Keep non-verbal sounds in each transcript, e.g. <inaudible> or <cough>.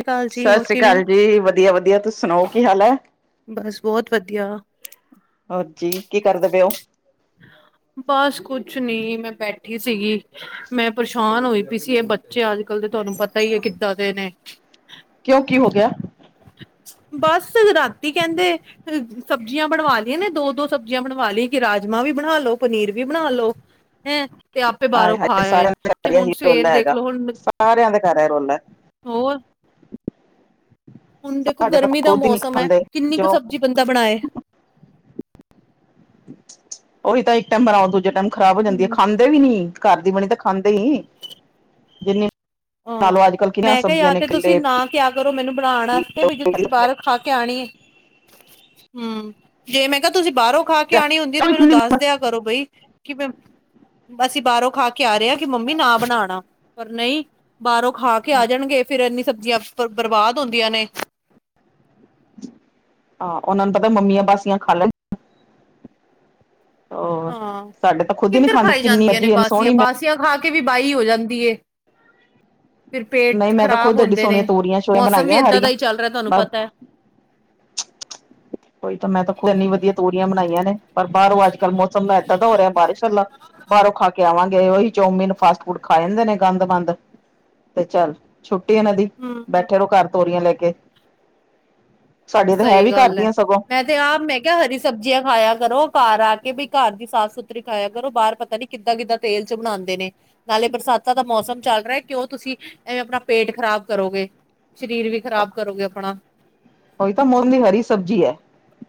ਅਕਾਲ ਜੀ ਸਤਿ ਹੋਰ ਸ਼੍ਰੀ ਕਿਵੇਂ ਹੋ ਅਕਾਲ ਜੀ ਵਧੀਆ-ਵਧੀਆ ਤੁਸੀਂ ਸੁਣਾਓ ਕੀ ਹਾਲ ਹੈ। ਬਸ ਬਹੁਤ ਵਧੀਆ। ਹੋਰ ਜੀ, ਕੀ ਕਰਦੇ ਪਏ ਉਹ? ਹ ਬਸ ਕੁੱਛ ਨੀ, ਮੈਂ ਬੈਠੀ ਸੀਗੀ, ਮੈਂ ਪਰੇਸ਼ਾਨ ਹੋਈ ਪਈ ਸੀ ਇਹ ਬੱਚ ਬੱਚੇ ਅੱਜ ਕੱਲ੍ਹ ਤਾਂ ਤੁਹਾਨੂੰ ਪਤਾ ਹੀ ਹੈ, ਕਿੱਦਾਂ ਦੇ ਨੇ। ਕਿਉਂ ਕੀ ਹੋ ਗਿਆ? ਬਸ, ਰਾਤੀ ਕਹਿੰਦੇ ਸਬਜ਼ੀਆਂ ਬਣਵਾ ਲਈਆਂ ਨੇ, ਦੋ-ਦੋ ਸਬਜ਼ੀਆਂ ਬਣਵਾ ਲਈ ਕਿ ਰਾਜਮਾਂ ਵੀ ਬਣਾ ਲੋ, ਪਨੀਰ ਵੀ ਬਣਾ ਲਓ ਹਮ ਤੇ ਆਪੇ ਬਾਹਰੋਂ ਖਾ ਹਾਏ ਆਏ, ਸਾਰਿਆਂ ਦੇ ਤੇ ਘਰ ਹੁਣ ਇਹੀ ਸਵੇਰ ਰੌਲਾ ਹੈਗਾ ਦੇਖਲੋ ਹੁਣ ਸਾਰਿਆਂ ਦੇ ਘਰ ਇਹ ਰੌਲਾ <inaudible> ਹੋਰ ਹੁਣ ਦੇਖੋ ਸਾਡੇ ਤਾਂ ਗਰਮੀ ਦਾ ਖੁਦ ਹੀ ਨਹੀਂ ਮੌਸਮ ਹੈ ਖਾਂਦੇ, ਕਿੰਨੀ ਕੁ ਜੋ ਸਬਜ਼ੀ ਬੰਦਾ ਬਣਾਏ <inaudible> ਉਹੀ ਤਾਂ ਇੱਕ ਟਾਈਮ ਬਣਾਓ, ਦੂਜੇ ਟਾਈਮ ਖ਼ਰਾਬ ਹੋ ਜਾਂਦੀ ਹੈ। ਹਮ ਖਾਂਦੇ ਕਦੇ ਵੀ ਨੀ, ਘਰ ਦੀ ਬਣੀ ਤਾਂ ਖਾਂਦੇ ਹੀ, ਜਿੰਨੀ ਲਾ ਹਾਂ ਲਓ, ਅੱਜ ਕੱਲ੍ਹ ਕਿੰਨੀਆਂ ਮੈਂ ਕਿਹਾ ਸਬਜ਼ੀਆਂ ਯਾਰ ਨੇ। ਤੇ ਤੁਸੀਂ ਇਕੱਲੇ ਨਾ ਕਿਆ ਕਰੋ, ਮੈਨੂੰ ਬਣਾਉਣ ਵਾਸਤੇ, ਬਈ ਜੇ ਤੁਸੀਂ ਬਾਹਰੋ ਖਾ ਕੇ ਆਣੀ ਏ, ਹਮ ਜੇ ਮੈਂ ਕਿਹਾ ਤੁਸੀਂ ਬਾਹਰੋਂ ਖਾ ਕੇ ਆਉਣੀ ਹੁੰਦੀ ਤੇ ਮੈਨੂੰ ਦੱਸਦਿਆਂ ਕਰੋ ਬਈ ਕਿ, ਅਸੀਂ ਬਾਹਰੋਂ ਖਾ ਕੇ ਆ ਰਹੇ ਹਾਂ, ਕਿ ਮੰਮੀ ਨਾ ਬਣਾਉਣਾ, ਪਰ ਨਹੀਂ, ਬਾਹਰੋਂ ਖਾ ਕੇ ਆ ਹਾਂ ਜਾਣਗੇ, ਫੇਰ ਇੰਨੀ ਸਬਜ਼ੀਆਂ ਬਰਬਾਦ ਹੁੰਦੀਆਂ ਨੇ। ਆਹ, ਉਹਨਾ ਨੂੰ ਪਤਾ ਮੰਮੀਆਂ ਬਾਸੀਆਂ ਖਾ ਲੈ ਹੋਰ ਹਾਂ, ਸਾਡੇ ਤਾਂ ਖੁਦ ਹੀ ਨੀ ਕਿੱਧਰ ਖਾਂਦੇ ਖਾਈ ਕਿੰਨੀ ਜਾਂਦੀਆਂ ਨੇ ਮਰਜੀ ਸੋਹਣੀ ਬਾਸੀਆਂ, ਮੈਂ ਬਾਸੀਆਂ ਖਾ ਕੇ ਵੀ ਬਾਹਿ ਹੋ ਜਾਂਦੀ ਏ। ਫਿਰ ਨਹੀਂ ਪੇਟ ਮੈਂ ਤਾਂ ਖ਼ਰਾਬ ਖੁਦ ਐਡੀ ਹੁੰਦੇ ਨੇ, ਸੋਹਣੀਆਂ ਤੋਰੀਆਂ ਸ਼ੋਰੀਆਂ ਮੌਸਮ ਵੀ ਬਣਾਈਆਂ ਏਦਾਂ ਦਾ ਹਰੀਆਂ ਹੀ ਚੱਲ ਰਿਹਾ ਤੁਹਾਨੂੰ ਬਸ ਪਤਾ ਹੈ। ਉਹੀ ਤਾਂ ਮੈਂ ਤਾਂ ਖੁਦ ਇੰਨੀ ਵਧੀਆ ਤੋਰੀਆ ਬਣਾਈਆਂ ਨੇ, ਪਰ ਬਾਹਰੋਂ ਅੱਜ ਕੱਲ ਮੌਸਮ ਇੱਦਾਂ ਦਾ ਹੋ ਰਿਹਾ, ਬਾਰਿਸ਼ ਵਾਲਾ ਬਾਹਰੋਂ ਖਾ ਕੇ ਆਵਾਂਗੇ, ਉਹੀ ਚੌਮੀਨ ਫਾਸਟ ਫੂਡ ਖਾ ਜਾਂਦੇ ਨੇ, ਗੰਦ ਮੰਦ ਤੇ ਚੱਲ, ਛੁੱਟੀ ਇਹਨਾਂ ਦੀ। ਹਮ ਬੈਠੇ ਰਹੋ ਘਰ ਤੋਰੀਆਂ ਲੈ ਕੇ। ਸਾਡੀਆਂ ਤਾਂ ਸਹੀ ਵੀ ਘਰ ਗੱਲ ਹੈ। ਦੀਆਂ ਸਗੋਂ ਮੈਂ ਤੇ ਆਪ, ਮੈਂ ਕਿਹਾ ਹਰੀ ਸਬਜ਼ੀਆਂ ਖਾਇਆ ਕਰੋ, ਘਰ ਆ ਕੇ, ਬਈ ਘਰ ਦੀ ਸਾਫ਼ ਸੁਥਰੀ ਖਾਇਆ ਕਰੋ ਬਾਹਰ ਪਤਾ ਨੀ ਕਿੱਦਾਂ-ਕਿੱਦਾਂ ਤੇਲ ਚ ਬਣਾਉਂਦੇ ਨੇ। ਨਾਲੇ ਬਰਸਾਤਾਂ ਦਾ ਮੌਸਮ ਚੱਲ ਰਿਹਾ ਕਿਉਂ ਤੁਸੀਂ ਐਵੇਂ, ਆਪਣਾ ਪੇਟ ਖ਼ਰਾਬ ਕਰੋਗੇ। ਸਰੀਰ ਵੀ ਖ਼ਰਾਬ ਕਰੋਗੇ ਆਪਣਾ, ਉਹੀ ਤਾਂ ਮੌਸਮ ਦੀ ਹਰੀ ਸਬਜ਼ੀ ਹੈ,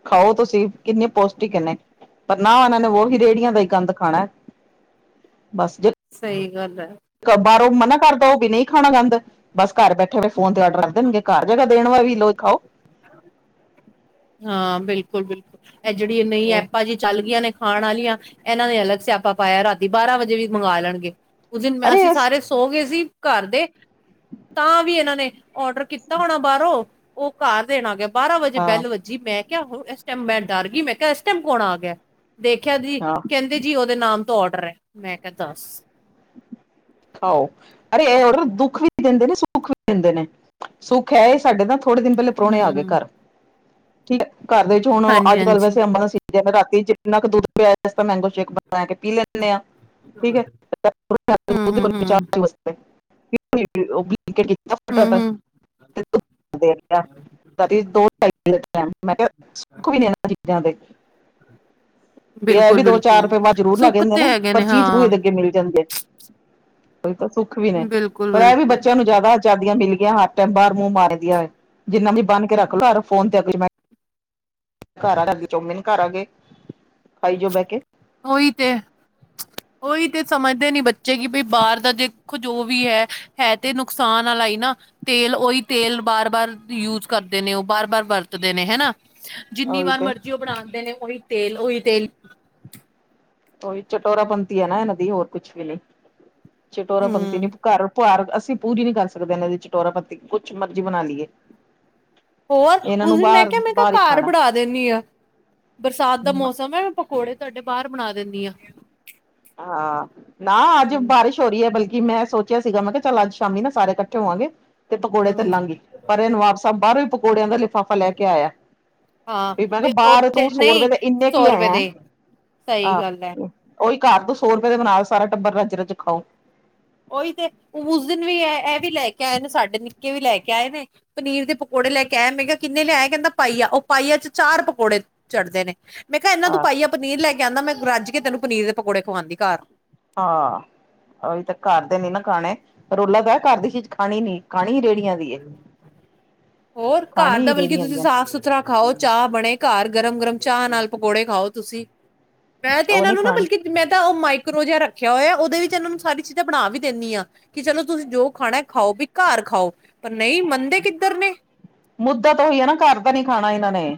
ਖਾਓ ਤੁਸੀਂ ਕਿੰਨੇ ਪੋਸ਼ਟਿਕ ਇੰਨੇ ਪਰ ਨਾ ਉਹਨਾਂ ਨੇ ਵਹੀ ਰੇਹੜੀਆਂ ਦਾ ਹੀ ਗੰਦ ਖਾਣਾ ਬਸ ਜ ਸਹੀ ਗੱਲ ਹੈ, ਬਾਹਰੋਂ ਮਨਾ ਕਰਦਾ ਉਹ ਵੀ ਨਹੀਂ ਖਾਣਾ ਗੰਦ, ਬਸ ਘਰ ਬੈਠੇ ਫ ਫੋਨ ਤੇ ਆਡਰ ਰੱਖ ਦੇਣਗੇ ਘਰ ਜਗ੍ਹਾ ਦੇਣ ਵਾ ਵੀ। ਲੋ ਖਾਓ, ਹਾਂ ਬਿਲਕੁਲ, ਬਿਲਕੁਲ ਇਹ ਜਿਹੜੀ ਇਹ ਐਪਾਂ ਜੀ। ਚੱਲ ਗਈਆਂ, ਨੇ ਖਾਣ ਵਾਲੀਆਂ ਇਹਨਾਂ ਨੇ ਅਲੱਗ ਸਿਆਪਾ ਪਾਇਆ ਰਾਤੀ ਬਾਰਾਂ ਵਜੇ ਵੀ ਮੰਗਵਾ ਲਣਗੇ। ਉਸ ਦਿਨ ਅਰੇ ਅਸੀਂ ਸਾਰੇ ਸੋ ਗਏ ਸੀ ਘਰ ਦੇ ਤਾਂ ਵੀ ਇਹਨਾਂ ਨੇ, ਔਡਰ ਕੀਤਾ ਹੋਣਾ ਬਾਹਰੋਂ ਉਹ ਘਰ ਦੇਣਾ ਗਿਆ, ਬਾਰਾਂ ਵਜੇ ਹਾਂ ਬੈਲ ਵਜੇ, ਜੀ ਮੈਂ ਕਿਹਾ ਹੁਣ ਇਸ ਟਾਈਮ ਮੈਂ ਡਰ ਗਈ ਮੈਂ ਕਿਹਾ ਇਸ ਟਾਈਮ ਕੌਣ ਆ ਗਿਆ ਦੇਖਿਆ ਜੀ ਹਾਂ ਕਹਿੰਦੇ। ਜੀ ਉਹਦੇ ਨਾਮ ਤੋਂ ਔਡਰ ਹੈ, ਮੈਂ ਕਿਹਾ ਦੱਸ ਖਾਓ ਅਰੇ ਇਹ ਦੁੱਖ ਵੀ ਦਿੰਦੇ ਨੇ ਸੁੱਖ ਵੀ ਦਿੰਦੇ ਨੇ ਸੁੱਖ ਹੈ ਇਹ ਸਾਡੇ ਦਾ। ਥੋੜੇ ਦਿਨ ਪਹਿਲੇ ਪ੍ਰਾਹੁਣੇ ਆ ਗਏ ਹਮ ਘਰ ਠੀਕ ਹੈ, ਘਰ ਦੇ ਵਿੱਚ ਹੁਣ ਹਾਂਜੀ ਅੱਜ ਕੱਲ ਹਾਂਜੀ ਵੈਸੇ ਅੰਬਾਂ ਦਾ। ਜੇਵੇੈਂ ਰਾਤੀ ਚ ਜਿੰਨਾ ਕੁ ਦੁੱਧ ਪਿਆ ਤਾਂ ਮੈਂਗੋ ਸ਼ੇਕ ਬਣਾ ਕੇ ਪੀ ਲੈਂਦੇ ਆਾਂ ਠੀਕ ਹੈ, ਹਮ ਹਮ ਹਮ ਹਮ ਹਮ <unintelligible> <inaudible> <inaudible> <inaudible> ਵੀ ਇਹ ਬਿਲਕੁਲ ਵੀ ਦੋ ਚਾਰ ਬਿਲਕੁਲ ਰੁਪੇਵਾ ਜ਼ਰੂਰ ਲੱਗ ਸੁੱਖ ਜਾਂਦੇ ਤੇ ਨੇ ਹੈਗੇ ਪਰ ਹਾਂ ਚੀਜ਼ੂਦੇ ਅੱਗੇ ਮਿਲ ਜਾਂਦੀ ਹੈ। ਕੋਈ ਤਾਂ ਸੁੱਖ ਵੀ ਐ। ਬਿਲਕੁਲ ਪਰ ਇਹ ਵੀ ਬਿਲਕੁਲ ਬੱਚਿਆਂ ਨੂੰ ਜ਼ਿਆਦਾ ਆਜਾਦੀਆਂ ਮਿਲ ਗੀਆਂ, ਹਰ ਟਾਈਮ ਬਾਹਰ ਮੂੰਹ ਮਾਰ ਦੀਆਂ ਹੋਏ ਜਿੰਨਾ ਵੀ ਬਨ ਕੇ ਰੱਖ ਲੋ ਯ ਫੋਨ ਤੇ ਘਰ ਆ ਚੋਮਿਨ ਘਰ ਆ ਗਏ ਖਾਈ ਜੋ ਬਹਿ ਕੇ। ਉਹੀ ਤੇ। ਉਹੀ ਤੇ ਸਮਝਦੇ ਨੀ ਬੱਚੇ ਕਿ ਬਈ ਬਾਹਰ ਦਾ ਦੇਖੋ ਜੋ ਵੀ ਹੈ ਹੈ ਤੇ ਨੁਕਸਾਨ ਵਾਲਾ ਹੀ ਨਾ ਤੇਲ ਉਹੀ ਤੇਲ ਬਾਰ ਬਾਰ ਯੂਜ ਕਰਦੇ ਨੇ, ਉਹ ਬਾਰ ਬਾਰ ਵਰਤਦੇ ਨੇ ਹਨਾ। ਜਿੰਨੀ ਉਹੀ ਵਾਰ ਤੇ ਮਰਜ਼ੀ ਉਹ ਬਣਾਉਂਦੇ ਨੇ ਓਹੀ ਤੇਲ ਉਹੀ ਤੇਲ ਉਹੀ ਚਟੋਰਾ ਪੰਤੀ ਹੈ, ਨਾ ਇਹਨਾਂ ਦੀ ਹੋਰ ਕੁਛ ਵੀ ਨ ਚਟੋਰਾ ਪੰਤੀ ਹਮ ਨੀ ਘਰ ਘਰ ਅਸੀਂ ਪੂਰੀ ਨੀ ਕਰ ਸਕਦੇ, ਇਹਨਾਂ ਦੀ ਚਟੋਰਾ ਪੰਤੀ ਕੁਛ ਮਰਜ਼ੀ ਬਣਾ ਲਈਏ। ਹੋਰ ਇਹਨਾਂ ਉਸ ਨੂੰ ਦਿਨ ਮੈਂ ਬਾਹਰ ਕਿਹਾ ਮੈਂ ਕਿਹਾ ਬਾਹਰ ਹੀ ਘਰ ਖਾਣਾ ਬਣਾ ਦਿੰਦੀ ਆ ਬਰਸਾਤ ਦਾ ਮੌਸਮ ਹੈ ਮੈਂ ਪਕੋੜੇ ਤੁਹਾਡੇ ਬਾਹਰ ਬਣਾ ਦਿੰਦੀ ਆ। ਹਾਂ ਨਾ ਅੱਜ ਬਾਰਿਸ਼ ਛੋਰੀ ਹੈ ਬਲਕਿ ਮੈਂ ਸੋਚਿਆ ਸੀਗਾ, ਮੈਂ ਕਿਹਾ ਚੱਲ ਅੱਜ ਸ਼ਾਮੀ ਨਾ ਸਾਰੇ ਇਕੱਠੇ ਹੋਵਾਂਗੇ ਤੇ ਪਕੌੜੇ ਹਮ ਤੱਲਾਂਗੀ। ਪਰ ਇਹ ਨਵਾਬ ਸਾਬ ਬਾਹਰੋਂ ਹੀ ਪਕੌੜਿਆਂ ਦਾ ਲਿਫਾਫਾ ਲੈ ਕੇ ਆਇਆ। ਹਾਂ ਵੀ ਮੈਂ ਕਿਹਾ ਤੇ ਉਹ ਬਾਹਰ ਤੂੰ ਸੌ ਨਹੀਂ ਰੁਪਏ ਦਾ ਇੰਨੇ ਕੁ ਸੌ ਰੁਪਏ ਲਿਆਇਆ ਦੇ ਸਹੀ ਆਹ। ਗੱਲ ਹੈ ਉਹੀ ਘਰ ਤੋਂ ਸੌ ਰੁਪਏ ਦੇ ਬਣਾ ਸਾਰਾ ਟੱਬਰ ਰੱਜ ਰਜ ਖਾਓ। ਓਹੀ ਤੇ ਉਸ ਦਿਨ ਵੀ ਇਹ ਵੀ ਲੈ ਕੇ ਆਏ ਨੇ ਸਾਡੇ ਨਿੱਕੇ ਵੀ ਲੈ ਕੇ ਆਏ ਨੇ। ਪਨੀਰ ਦੇ ਪਕੌੜੇ ਲੈ ਕੇ ਆਇਆ ਮੈਂ ਕਿਹਾ ਕਿੰਨੇ ਲਿਆਇਆ ਕਹਿੰਦਾ ਪਾਈਆ ਉਹ ਪਾਈਆ ਚ ਚਾਰ ਪਕੌੜੇ ਚੜਦੇ ਨੇ ਮੈਂ ਕਿਹਾ ਇਹਨਾਂ ਤੂੰ ਹਾਂ ਪਾਈ ਆ ਪਨੀਰ ਲੈ ਕੇ ਆਉਂਦਾ ਮੈਂ ਰੱਜ ਕੇ ਤੈਨੂੰ ਪਨੀਰ ਦੇ ਪਕੌੜੇ ਖਵਾਂਦੀ ਘਰ ਹਾਂ ਅਹੀ ਤਾਂ ਕਰਦੇ ਨੀ ਨਾ ਖਾਣੇ ਰੋਲਾ ਬਹਿ ਘਰ ਦੀ ਚੀਜ ਹੋਰ ਘਰ ਦਾ ਖਾਣੀ ਬਲਕਿ ਰੇਹੜੀਆਂ ਤੁਸੀਂ ਦੀਆਂ ਸਾਫ਼ ਸੁਥਰਾ ਖਾਓ ਚਾਹ ਬਣੇ ਘਰ ਗਰਮ ਗਰਮ ਚਾਹ ਨਾਲ ਪਕੌੜੇ ਖਾਓ ਤੁਸੀਂ। ਮੈਂ ਤੇ ਉਹ ਇਹਨਾਂ ਨੀ ਨੂੰ ਨਾ ਖਾਣੀ ਬਲਕਿ ਮੈਂ ਤਾਂ ਉਹ ਮਾਈਕਰੋ ਜਿਹਾ ਰੱਖਿਆ ਹੋਇਆ, ਉਹਦੇ ਵਿੱਚ ਇਹਨਾਂ ਨੂੰ ਸਾਰੀ ਚੀਜ਼ਾਂ ਬਣਾ ਵੀ ਦਿੰਦੀ ਹਾਂ। ਕਿ ਚਲੋ ਤੁਸੀਂ ਜੋ ਖਾਣਾ ਖਾਓ ਵੀ ਘਰ ਖਾਓ ਪਰ ਨਹੀਂ ਮੰਨਦੇ ਕਿੱਧਰ ਨੇ। ਮੁੱਦਾ ਤਾਂ ਹੋਈ ਹੈ ਨਾ ਘਰ ਦਾ ਨੀ ਖਾਣਾ ਇਹਨਾਂ ਨੇ।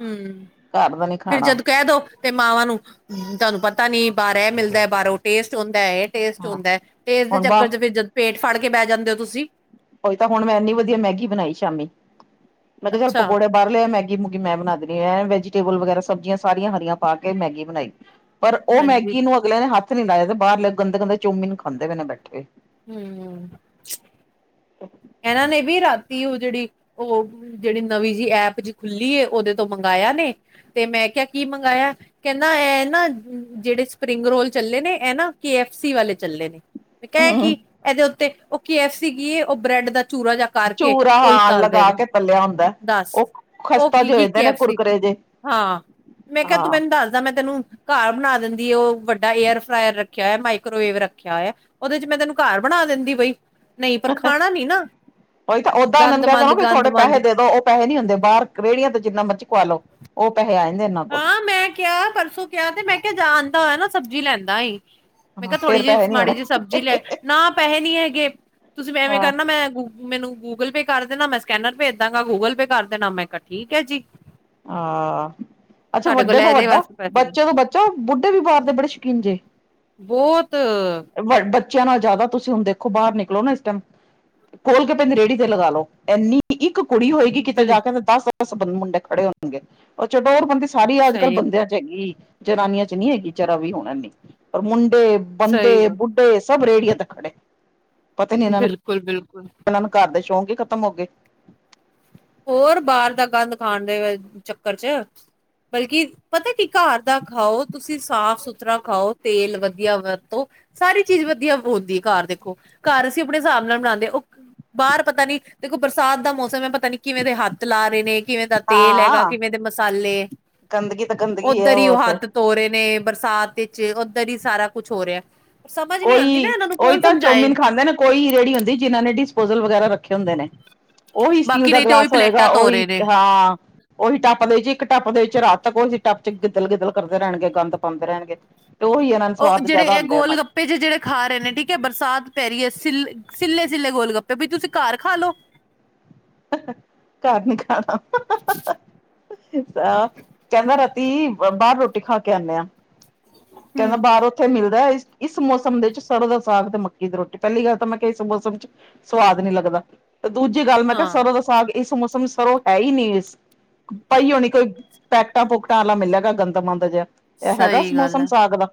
ਹੂੰ ਘਰ ਦਾ ਨੀ ਫਿਰ ਖਾਣਾ ਜਦੋਂ ਕਹਿ ਦੋ ਤੇ ਮਾਵਾਂ ਨੂੰ ਤੁਹਾਨੂੰ ਪਤਾ ਨੀ ਬਾਹਰ ਇਹ ਮਿਲਦਾ ਬਾਹਰੋਂ ਟੇਸਟ ਹੁੰਦਾ ਹੈ ਇਹ ਟੇਸਟ ਹਾਂ ਹੁੰਦਾ ਹੈ ਟੇਸਟ ਦੇ ਹੁਣ ਚੱਕਰ ਬਾਹ ਚ ਜਦ ਫੇਰ ਪੇਟ ਫੜ ਕੇ ਬਹਿ ਜਾਂਦੇ ਹੋ ਤੁਸੀਂ। ਉਹੀ ਤਾਂ ਹੁਣ ਮੈਂ ਇੰਨੀ ਵਧੀਆ ਮੈਗੀ ਬਣਾਈ ਸ਼ਾਮੀ ਮੈਂ ਕਿਹਾ ਚੱਲ ਅੱਛਾ ਪਕੌੜੇ ਬਾਹਰ ਲਿਆ ਮੈਗੀ ਮੂਗੀ ਮੈਂ ਬਣਾ ਦੇਣੀ ਹ ਵੈਜੀਟੇਬਲ ਵਗੈਰਾ ਸਬਜ਼ੀਆਂ ਸਾਰੀਆਂ ਹਰੀਆ ਪਾ ਕੇ ਮੈਗੀ ਬਣਾਈ। ਪਰ ਉਹ ਹਾਂਜੀ ਮੈਗੀ ਨੂੰ ਅਗਲਿਆ ਨੇ ਹੱਥ ਨੀ ਲਾਇਆ ਤੇ ਬਾਹਰ ਗੰਦੇ ਗੰਦੇ ਚੌਮੀਨ ਖਾਂਦੇ ਪਏ ਨੇ ਬੈਠੇ। ਹੂੰ ਹੂੰ। <inaudible> ਇਹਨਾਂ ਨੇ ਵੀ ਰਾਤੀ ਉਹ ਜਿਹੜੀ ਉਹ ਜਿਹੜੀ ਨਵੀਂ ਜਿ ਐਪ ਜੀ ਖੁੱਲੀ ਏ ਉਹਦੇ ਤੋਂ ਮੰਗਾਇਆ ਨੇ ਤੇ ਮੈਂ ਕਿਹਾ ਕੀ ਮੰਗਾਇਆ। ਕਹਿੰਦਾ ਇਹ ਨਾ ਜਿਹੜੇ ਸਪਰਿੰਗ ਰੋਲ ਚੱਲੇ ਨੇ ਇਹ ਨਾ ਕੇ ਐਫ ਸੀ ਵਾਲੇ ਚੱਲੇ ਨੇ। ਮੈਂ ਕਿਹਾ ਇਹ ਕੀ ਇਹਦੇ ਉੱਤੇ ਉਹ ਕੇ ਐਫ ਸੀ ਉਹ ਬ੍ਰੈਡ ਦਾ ਚੂਰਾ ਜਾ ਕਰਕੇ ਚੂਰਾ ਉਹੀ ਹਾਂ ਤਲਦੇ ਲਗਾ ਨੇ ਕੇ ਤਲਿਆ ਹੁੰਦਾ ਦੱਸ ਉਹ ਉਹ ਖਸਤਾ ਕੀ ਜੇ ਹੋ ਕੀ ਜਾਂਦੇ ਕੇ ਨੇ ਐਫ ਸੀ। ਕੁਰਕਰੇ ਜੇ ਹਾਂ ਮੈਂ ਕਿਹਾ ਤੂੰ ਹਾਂ। ਮੈਨੂੰ ਦੱਸਦਾ ਮੈਂ ਤੈਨੂੰ ਘਰ ਬਣਾ ਦਿੰਦੀ ਉਹ ਵੱਡਾ ਏਅਰ ਫਰਾਇਰ ਰੱਖਿਆ ਏ ਮਾਈਕਰੋਵੇਵ ਰੱਖਿਆ ਏ। ਉਹਦੇ ਚ ਮੈਂ ਤੈਨੂੰ ਘਰ ਬਣਾ ਦਿੰਦੀ ਬਈ ਨਹੀਂ। ਪਰ ਖਾਣਾ ਨੀ ਨਾ ਉਹੀ ਤਾਂ ਓਦਾਂ ਇਹਨਾਂ ਨੂੰ ਗੰਦ ਕਹਿ ਮੰਦ ਦੇਣਾ ਕਿ ਗੰਦ ਥੋੜੇ ਮੰਦ ਪੈਸੇ ਦੇ ਦੋ ਉਹ ਪੈੇਹੇ ਨੀ ਹੁੰਦੇ ਬਾਹਰ ਰੇਹੜੀਆਂ ਤੋਂ ਜਿੰਨਾ ਮਰਜੀ ਖਵਾ ਲਓ ਉਹ ਪੈਸੇ ਆ ਜਾਂਦੇ ਇਨਾਂ ਕੋਲ ਹਾਂ ਮੈਂ ਕਿਹਾ ਪਰਸੋਂ ਕਿਹਾ ਤੇ ਮੈਂ ਕਿਹਾ ਜਾ ਆਦਾ ਹੋਇਆ ਨਾ ਸਬਜ਼ੀ ਲੈਂਦਾ ਆਈ। ਮੈਂ ਹਾਂ ਕਿਹਾ ਥੋੜ੍ਹੀ ਫੇਰ ਪੈਸੇ ਜਿਹੀ ਨੀ ਮਾੜੀ ਹੋਣੇ। ਜਿਹੀ ਸਬਜ਼ੀ ਲੈ ਨਾ ਪੈਸੇ ਨੀ ਹੈਗੇ ਤੁਸੀਂ ਐਵੇਂ ਹਾਂ ਕਰਨਾ ਮੈਂ ਮੈਨੂੰ ਗੂਗਲ ਪੇ ਕਰ ਦੇਣਾ ਮੈਂ ਸਕੈਨਰ ਭੇਜ ਦਾਂਗਾ ਗੂਗਲ ਪੇ ਕਰ ਦੇਣਾ ਮੈਂ ਠੀਕ ਹੈ ਜੀ। ਆਹ ਅੱਛਾ ਤੁਹਾਡੇ ਵੱਡੇ ਕੋਲ ਤੋਂ ਇਹਦੇ ਵੱਡਾ, ਵਾਸਤੇ ਪੈਸੇ ਨੇ ਬੱਚੇ ਤੋਂ ਬੱਚਾ, ਬੁੱਢੇ ਵੀ ਬਾਹਰ ਦੇ ਬੜੇ ਸ਼ੌਕੀਨ ਜੇ। ਬਹੁਤ। ਬੱਚਿਆਂ ਨਾਲ ਜ਼ਿਆਦਾ ਤੁਸੀਂ ਹੁਣ ਦੇਖੋ ਬਾਹਰ ਨਿਕਲੋ ਨਾ ਇਸ ਟਾਈਮ ਖੋਲ ਕੇ ਪੈਂਦੀ ਰੇੜੀ ਤੇ ਲਗਾ ਲਓ ਇੰਨੀ। ਇੱਕ ਕੁੜੀ ਹੋਏਗੀ, ਕਿਤੇ ਬਿਲ ਜਾ ਕੇ ਦਸ ਦਸ ਬੰ ਮੁੰਡੇ ਖੜੇ ਹੋਣਗੇ। ਉਹ ਚਡੋਰ ਬੰਦੇ ਸਾਰੀ ਅੱਜ ਕੱਲ ਸਹੀ ਬੰਦੇ, ਹੈਗੀ ਜਨਾਨੀਆਂ ਚ ਨਹੀ ਹੈਗੀ, ਜਰਾ ਵੀ ਹੁਣ ਐਨੀ ਪਰ ਮੁੰਡੇ ਬੰਦੇ ਸਹੀ ਬੁੱਢੇ ਤੇ ਸਭ ਰੇਹੜੀਆਂ ਤੇ ਖੜੇ, ਪਤਾ ਨੀ ਇਹਨਾਂ ਨੂੰ ਬਿਲਕੁਲ, ਬਿਲਕੁਲ। ਇਹਨਾਂ ਨੂੰ ਘਰ ਦੇ ਸ਼ੌਕ ਹੀ ਖਤਮ ਹੋ ਗਏ। ਹੋਰ ਬਾਹਰ ਦਾ ਗੰਦ ਖਾਣ ਦੇ ਚੱਕਰ ਚ ਬਲਕਿ ਪਤਾ ਕੀ ਘਰ ਦਾ ਖਾਓ, ਤੁਸੀਂ ਸਾਫ ਸੁਥਰਾ ਖਾਓ ਤੇਲ ਵਧੀਆ ਵਰਤੋ। ਸਾਰੀ ਚੀਜ਼ ਵਧੀਆ ਹੁੰਦੀ ਘਰ ਦੇਖੋ, ਘਰ ਅਸੀਂ ਆਪਣੇ ਹਿਸਾਬ ਨਾਲ ਬਣਾਉਂਦੇ ਉਹ ਬਾਹਰ ਪਤਾ ਨੀ ਦੇਖੋ ਬਰਸਾਤ ਦਾ ਮੌਸਮ ਹੈ, ਪਤਾ ਨੀ ਕਿਵੇਂ ਦੇ ਹੱਥ ਲਾ ਰਹੇ ਨੇ। ਕਿਵੇਂ ਦਾ ਤੇਲ ਹੈਗਾ, ਹਾਂ ਕਿਵੇਂ ਦੇ ਮਸਾਲੇ ਗੰਦਗੀ ਤਾਂ ਗੰਦਗੀ ਹੈ ਓਧਰ ਹੀ ਉਹ ਤੇ ਹੱਥ ਧੋ ਰਹੇ ਨੇ ਬਰਸਾਤ ਵਿੱਚ ਓਧਰ ਹੀ ਸਾਰਾ ਕੁਛ ਹੋ ਰਿਹਾ। ਸਮਝ ਨਹੀ ਆਉਂਦੀ ਨਾ ਕੋਈ ਇਹਨਾਂ ਨੂੰ ਉਹੀ ਕੌਣ ਤਾਂ ਸਮਝਾਏ। ਚੌਮਿਨ ਖਾਂਦੇ ਨੇ ਕੋਈ ਰੇਹੜੀ ਹੁੰਦੀ ਜਿਹਨਾਂ ਨੇ ਡਿਸਪੋਜਲ ਵਗੈਰਾ ਰੱਖੇ ਹੁੰਦੇ ਨੇ। ਉਹੀ ਸਟੀਲ ਬਾਕੀ ਦਾ ਨਹੀਂ ਤੇ ਉਹੀ ਗਲਾਸ ਹੋਏਗਾ, ਪਲੇਟਾਂ ਧੋ ਰਹੇ ਉਹੀ ਨੇ। ਹਾਂ ਉਹੀ ਟੱਪ ਦੇ ਚ ਇੱਕ ਟੱਪ ਦੇ ਚ ਰਾਤ ਤੱਕ ਉਹੀ ਟੱਪ ਚ ਗਿੱਦਲ ਗਿੱਦਲ ਕਰਦੇ ਰਹਿਣਗੇ, ਗੰਦ ਪਾਉਂਦੇ ਰਹਿਣਗੇ। ਤੇ ਉਹੀ ਇਹਨਾਂ ਨੂੰ ਸਵਾਦ ਜ਼ਿਆਦਾ ਹੁੰਦਾ ਇਹਨਾਂ ਤੇ ਜੇ ਜਿਹੜੇ ਖਾ ਰਹੇ ਨੇ ਠੀਕ ਹੈ, ਬਰਸਾਤ ਪੈ ਰਹੀ ਹੈ, ਸਿੱਲੇ ਸਿੱਲੇ ਗੋਲ ਗੱਪੇ ਵੀ ਤੁਸੀਂ ਘਰ ਖਾ ਲੋ। ਘਰ ਨੀ ਖਾਣਾ, ਕਹਿੰਦਾ ਰਾਤੀ ਬਾਹਰ ਰੋਟੀ ਖਾ ਕੇ ਆਉਂਦੇ ਆ। ਕਹਿੰਦਾ ਹੂੰ। ਬਾਹਰ ਉੱਥੇ ਮਿਲਦਾ। ਇਸ ਮੌਸਮ ਦੇ ਵਿੱਚ ਸਰੋਂ ਦਾ ਸਾਗ ਤੇ ਮੱਕੀ ਦੀ ਰੋਟੀ ਪਹਿਲੀ ਗੱਲ ਤਾਂ ਮੈਂ ਕਿਹਾ ਇਸ ਮੌਸਮ ਚ ਸਵਾਦ ਨਹੀ ਲੱਗਦਾ। ਦੂਜੀ ਗੱਲ ਮੈਂ ਕਿਹਾ ਹਾਂ ਸਰੋਂ ਦਾ ਸਾਗ ਇਸ ਮੌਸਮ ਸਰੋਂ ਹੈ ਹੀ ਨਹੀਂ, ਇਸ ਪਈ ਹੋਣੀ ਕੋਈ ਪੈਕਟਾਂ ਪੂਕਟਾਂ ਵਾਲਾ ਮਿਲੇ ਗਾ ਗੰਦਮੰਦ ਜਿਹਾ ਇਹ ਹੈਗਾ, ਸਹੀ ਗੱਲ ਮੌਸਮ ਹੈ ਸਾਗ ਦਾ।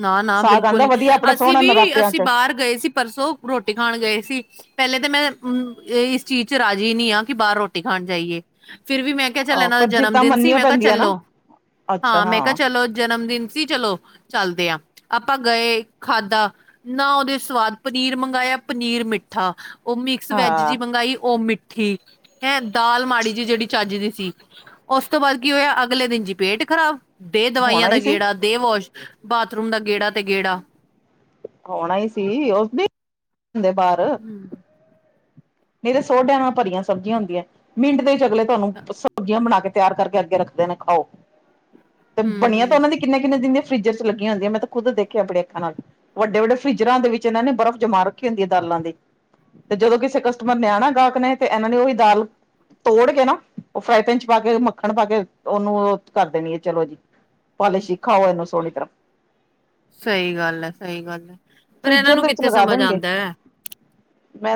ਨਾ ਨਾ ਸਾਗ ਬਿਲਕੁਲ ਆਂਦਾ ਨੀ ਵਧੀਆ ਆਪਣਾ ਅਸੀਂ ਸੋਹਣਾ ਵੀ ਨਰਾਤਿਆਂ ਅਸੀਂ ਚ ਬਾਹਰ ਗਏ ਸੀ ਪਰਸੋਂ ਰੋਟੀ ਖਾਣ ਗਏ ਸੀ। ਪਹਿਲੇ ਤਾਂ ਮੈਂ ਇਸ ਚੀਜ਼ ਚ ਰਾਜ਼ੀ ਨਹੀਂ ਆਂ, ਕਿ ਬਾਹਰ ਰੋਟੀ ਖਾਣ ਜਾਈਏ। ਫਿਰ ਵੀ ਮੈਂ ਕਿਹਾ ਚੱਲ ਆਹ ਇਹਨਾਂ ਦਾ ਪਰ ਜਨਮ ਜਿੱਦਾਂ ਦਿਨ ਸੀ ਮੰਨਨੀਆਂ ਮੈਂ ਕਿਹਾ ਪੈਂਦੀਆਂ ਨਾ ਚੱਲੋ। ਹਾਂ ਮੈਂ ਕਿਹਾ ਚਲੋ, ਜਨਮ ਦਿਨ ਸੀ ਚਲੋ। ਚੱਲਦੇ ਹਾਂ ਆਪਾਂ ਗਏ ਖਾਧਾ, ਨਾ ਉਹਦੇ ਸਵਾਦ ਪਨੀਰ ਮੰਗਵਾਇਆ ਪਨੀਰ ਮਿੱਠਾ, ਉਹ ਮਿਕਸ ਵੈਜ ਹਾਂ ਜਿਹੀ ਮੰਗਾਈ ਉਹ ਮਿੱਠ ਠੀਕ ਹੈਂ ਦਾਲ ਮਾੜੀ ਜੀ ਜਿਹੜੀ ਚੱਜ ਦੀ ਸੀ। ਉਸ ਤੋਂ ਬਾਅਦ ਕੀ ਹੋਇਆ, ਅਗਲੇ ਦਿਨ ਜੀ ਪੇਟ ਖ਼ਰਾਬ ਦੇਹ ਦਵਾਈਆਂ ਹੋਣਾ ਦਾ ਹੀ ਸੀ ਗੇੜਾ, ਦੇ ਵਾਸ਼ ਬਾਥਰੂਮ ਦਾ ਗੇੜਾ ਤੇ ਗੇੜਾ। ਆਣਾ ਹੀ ਸੀ ਔਬਸਲੀ ਹੁੰਦੇ ਬਾਹਰ <unintelligible> ਨਹੀਂ ਤਾਂ ਸੋ ਡਿਆਂ ਨਾਲ ਭਰੀਆਂ ਸਬਜ਼ੀਆਂ ਹੁੰਦੀਆਂ ਮਿੰਟ ਦੇ ਵਿੱਚ ਅਗਲੇ ਤੁਹਾਨੂੰ ਸਬਜ਼ੀਆਂ ਬਣਾ ਕੇ। ਤਿਆਰ ਕਰਕੇ ਅੱਗੇ ਰੱਖਦੇ ਨੇ ਖਾਓ, ਤੇ ਹੂੰ ਬਣੀਆਂ ਤਾਂ ਉਹਨਾਂ ਹੂੰ ਦੀ ਕਿੰਨਾ ਕਿੰਨ ਦਿਨ ਦੀ ਫਰਜਿਰ ਚ ਲੱਗੀਆਂ ਹੁੰਦੀਆਂ, ਮੈਂ ਤਾਂ ਖੁਦ ਦੇਖਿਆ ਆਪਣੇ ਅੱਖਾਂ ਨਾਲ ਵੱਡੇ ਵੱਡੇ ਫਰਿਜਰਾਂ ਦੇ ਵਿੱਚ ਇਹਨਾਂ ਨੇ ਬਰਫ਼ ਜਮਾ ਰੱਖੀ ਹੁੰਦੀ ਹੈ ਦਾਲਾਂ ਦੀ ਤੇ ਜਦੋਂ ਕਿਸੇ ਮਰ ਲਿਆਣਾ ਗਾਹਕ ਨੇ ਤੇ ਇਹਨਾਂ ਨੇ ਉਹੀ ਦਾਲ-' ਤੋੜ ਕੇ ਨਾ ਉਹ ਫਰਾਈ ਪੈਨ ਚ ਪਾ ਕੇ, ਮੱਖਣ ਪਾ ਕੇ ਉਹਨੂੰ ਕਰ ਦੇਣੀ ਹੈ ਚਲੋ ਜੀ। ਪਾ ਲੀਸ਼ ਖਾਓ ਇਹਨੂੰ ਸੋਹਣੀ ਤਰ ਸਹੀ ਗੱਲ ਹੈ, ਸਹੀ ਗੱਲ ਹੈ। ਪਰ ਇਹਨਾਂ ਫ੍ਰੀਜਰ ਨੂੰ ਦੇ ਵਿੱਚ ਕਿੱਥੇ ਲਗਾ ਸਮਝ ਦੇਣਗੇ ਆਉਂਦਾ ਹੈ,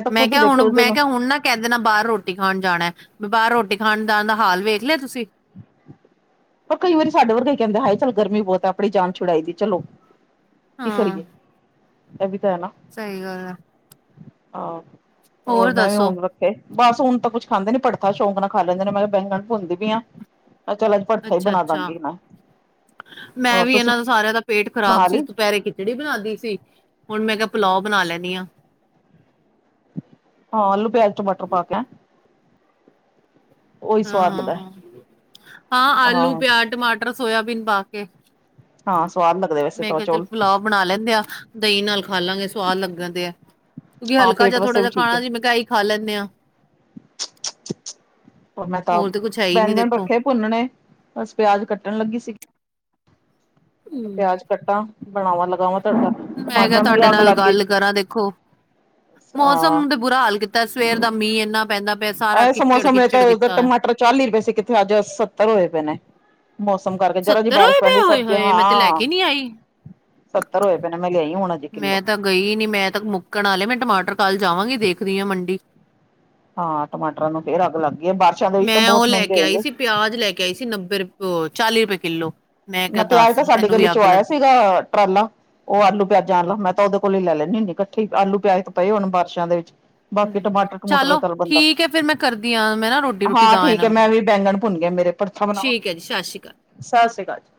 ਤਾਂ ਮੈਂ ਖੁਦ ਕਿਹਾ ਹੁਣ ਦੇਖਿਆ ਉਸ ਮੈਂ ਦਿਨ ਕਿਹਾ ਹੁਣ ਨਾ ਕਹਿੰਦੇ ਨਾ ਬਾਹਰ ਰੋਟੀ ਖਾਣ ਜਾਣਾ ਵੀ ਬਾਹਰ ਰੋਟੀ ਖਾਣ ਜਾਣ ਦਾ ਹਾਲ ਵੇਖ ਲਿਆ ਤੁਸੀਂ <inaudible> ਪਰ ਕਈ ਵਾਰੀ ਸਾਡੇ ਵਰਗੇ ਕਹਿੰਦਾ ਹੈ, ਹਾਏ ਚਲ ਗਰਮੀ ਬਹੁਤ ਹੈ ਆਪਣੀ ਜਾਨ ਛੁਡਾਈ ਦੀ ਚਲੋ। ਕੀ ਹਾਂ ਕਰੀਏ ਇਹ ਵੀ ਤਾਂ ਹੈ ਨਾ। ਸਹੀ ਗੱਲ ਆ ਆਹੋ ਹੋਰ ਮੈਂ ਵੀ ਦੱਸੋ ਹੁਣ ਰ ਬਸ ਹੁਣ ਤਾਂ ਕੁਛ ਖਾਂਦੇ ਨੀ ਭਰਠਥਾ ਸ਼ੌਂਕ ਨਾਲ ਖਾ ਲੈਂਦੇ ਨੇ ਮੈਂ ਕਿਹਾ ਬੈਗਨ ਭੁੰਨਦੀ ਪਈ ਆ ਮੈਂ ਚਲ ਅੱਜ ਭਰ ਅੱਛਾ ਅੱਛਾ ਮੈਂ ਹੋਰ ਵੀ ਤੁਸੀਂ ਇਹਨਾਂ ਦਾ ਸਾਰਿਆਂ ਦਾ ਪੇਟ ਖ਼ਰਾਬ ਬਣਾ ਸੀ ਲਈ ਦੁਪਹਿਰੇ ਖਿਚੜੀ ਬਣਾ ਲਈ ਸੀ ਹੁਣ ਮੈਂ ਕਿਹਾ ਪਲਾਓ ਬਣਾ ਲੈਂਦੀ ਹਾਂ ਹਹ ਆਲੂ ਪਿਆਜ ਟਮਟਰ ਪਾ ਕੇ ਉਹੀ ਸਵਾਦ ਹਾਂ ਲੱਗਦਾ ਹਾਂ ਹਾਂ ਆਲੂ ਪਿਆਜ ਟਮਾਟਰ ਸੋਇਬੀਨ ਪਾ ਕੇ ਹਾਂ ਸਵਾਦ ਲੱਗਦੇ ਵੈ ਮੈਂ ਕਿਹਾ ਚੱਲ ਪੁਲਾਓ ਬਣਾ ਲੈਂਦੇ ਆ ਦਹੀਂ ਨਾਲ ਖਾ ਲਾਂਗੇ ਸਵਾਦ ਲੱਗਣ ਦੇ ਆ ਕਿਉਂਕਿ ਹਾਂ ਹਲਕਾ ਪੇਟ ਜਿਹਾ ਥੋੜਾ ਵਾਸਤੇ ਵੀ ਜਿਹਾ ਠੀਕ ਖਾਣਾ ਹੈ ਸੀ ਮੈਂ ਕਿਹਾ ਹੀ ਖਾ ਲੈਂਦੇ ਹਾਂ ਪਰ ਮੈਂ ਤਾਂ ਕੁੱਛ ਹੈ ਹੀ ਨੀ ਬੈਂਗਣ ਦੇਖੋ ਰੱਖੇ ਭੁੰਨਣੇ ਬਸ ਪਿਆਜ ਕੱਟਣ ਲੱਗੀ ਸੀਗੀ ਮੈਂ ਕਿਹਾ ਪਿਆਜ ਕੱਟਾ ਬਣਾਵਾਂ ਲਗਾਵਾਂ ਤੜਕਾ ਮੈਂ ਕਿਹਾ ਟਮਾਟਰਾਂ ਨੂੰ ਵੀ ਤੁਹਾਡੇ ਅੱਗ ਨਾਲ ਲੱਗ ਗਈ। ਗੱਲ ਕਰਾਂ ਦੇਖੋ ਹਾਂ ਮੌਸਮ ਦੇ ਬੁਰਾ ਹਾਲ ਕੀਤਾ ਸਵੇਰ ਦਾ ਮੀਂਹ ਇੰਨਾ ਪੈਂਦਾ ਪਿਆ ਸਾਰਾ ਇਹ ਕਿੱਚੜ ਸਮੋਸਾ ਮੇਰੇ ਕਿੱਚੜ ਤਾਂ ਉ ਕੀਤਾ ਹੋਇਆ ਟਮਾਟਰ ਚਾਲੀ ਰੁਪਏ ਸੀ ਕਿਥ ਅੱਜ ਸੱਤਰ ਹੋਏ ਪਏ ਨੇ। ਮੌਸਮ ਕਰਕੇ ਜਰਾ ਜੀ ਬਾਰਿਸ਼ ਹੋਏ ਪਏ ਪੈਂਦੀ ਹੋਏ ਸਬਜ਼ੀ ਹੋਏ ਮੈਂ ਤੇ ਲੈ ਹਾਂ ਕੇ ਨਹੀਂ ਆਈ ਸੱਤਰ ਹੋਏ ਪਏ ਨੇ ਮੈਂ ਲਿਆਈ ਹੁਣ ਅਜੇ ਕਿੱਲੋ ਮੈਂ ਤਾਂ ਗਈ ਨੀ ਮੈਂ ਤਾਂ ਮੁੱਕਣ ਵਾਲੇ ਮੈਂ ਟਮਾਟਰ ਕੱਲ ਜਾਵਾਂਗੀ ਦੇਖਦੀ ਆ ਮੰਡੀ ਹਾਂ ਟਮਾਟਰਾਂ ਨੂੰ ਫੇਰ ਅੱਗ ਲੱਗ ਗਈ ਏ ਬਾਰਸ਼ਾਂ ਦੇ ਵਿੱਚ ਤਾਂ ਬਹੁਤ ਮਹਿੰਗੇ ਹੋ ਜਾਂਦੇ ਪਿਆਜ ਲੈ ਕੇ ਕਈ ਸੀ ਨੱਬੇ ਚਾਲੀ ਰੁਪਏ ਕਿੱਲੋ ਮੈਂ ਨਾ ਕਿਹਾ ਪਿਆਜ ਦੱਸ ਤਾਂ ਸਾਡੀ ਇਹਨੂੰ ਗਲੀ ਵੀ ਚੋਂ ਅੱਗ ਆਇਆ ਲੱਗੀ ਸੀਗਾ ਟਰਾਲਾ ਉਹ ਆਲੂ ਪਿਆਜਾਂਾ ਮੈਂ ਤਾਂ ਉਹਦੇ ਕੋਲ ਹੀ ਲੈ ਲੈਂਦੀ ਹੁੰਦੀ ਇਕੱਠੀ ਆਲੂ ਪਿਆਜ ਤੇ ਪਏ ਹੋਣ ਬਾਰਿਸ਼ਾਂ ਦੇ ਵਿੱਚ ਬਾਕੀ ਹ ਟਮਾਟਰ ਟਮੂਟਰ ਦਾ ਚਲੋ ਚੱਲ ਬੰਦਾ ਠੀਕ ਹੈ ਫੇਰ ਮੈਂ ਕਰਦੀ ਆ ਮੈਂ ਨਾ ਰੋਟੀ ਰੋਟੀ ਦ ਹਾਂ ਠੀਕ ਇਹਨਾਂ ਹੈ ਨੂੰ ਮੈਂ ਵੀ ਬੈਂਗਣ ਭੁੰਨ ਗਏ ਮੇਰੇ ਭੜਥਾ ਬਣਾਵਾਂ ਠੀਕ ਹੈ ਜੀ ਸਤਿ ਸ਼੍ਰੀ ਅਕਾਲ ਸਤਿ ਸ੍ਰੀ ਅਕਾਲ ਜੀ।